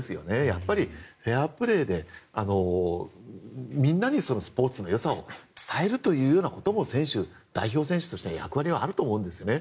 やはりフェアプレーでみんなにスポーツのよさを伝えるというようなことも代表選手としては役割はあると思うんですね。